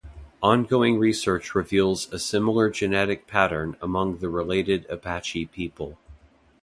Ongoing research reveals a similar genetic pattern among the related Apache people.